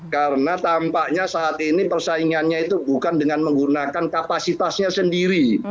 karena tampaknya saat ini persaingannya itu bukan dengan menggunakan kapasitasnya sendiri